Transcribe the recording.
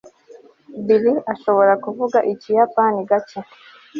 bill ashobora kuvuga ikiyapani gake